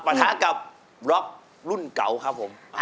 ประทับกับล็อกรุ่นเกียร์ครับ